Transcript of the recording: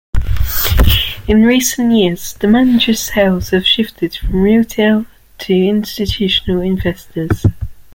In recent years, the manager's sales have shifted from retail to institutional investors.